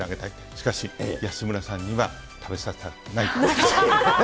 しかし、安村さんには食べさせたくないと。